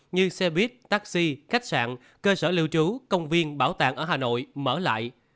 như xe buýt taxi khách sạn cơ sở lưu trú công viên bảo tàng ở hà nội mở lại